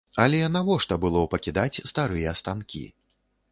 Але навошта было пакідаць старыя станкі?